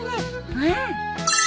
うん。